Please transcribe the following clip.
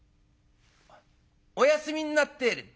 「お休みになってる」。